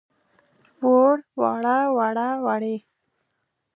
ووړ، واړه، وړه، وړې.